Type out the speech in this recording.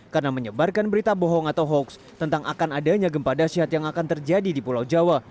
karena menyebarkan berita bohong atau hoax tentang akan adanya gempa dasyat yang akan terjadi di pulau jawa